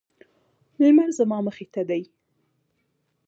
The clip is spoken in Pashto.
لمر زما مخې ته دی